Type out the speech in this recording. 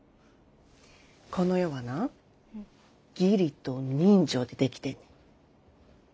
この世はな義理と人情で出来てんねん。